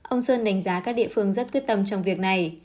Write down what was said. ông sơn đánh giá các địa phương rất quyết tâm trong việc này